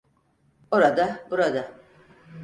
Orada burada.